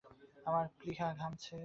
আমার প্লীহা ঘামছে।